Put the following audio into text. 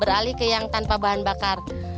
beralih ke yang tanpa bahan bakar